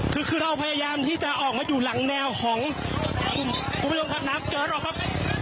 คือคือเราพยายามที่จะออกมาอยู่หลังแนวของกลุ่มคุณผู้ชมครับน้ำเดินออกครับ